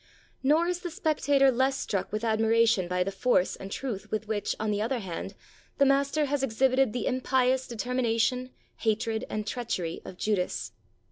Nor is the spectator less struck with admiration by the force and truth with which, on the other hand, the master has ex hibited the impious determination, hatred, and treach ery of Judas.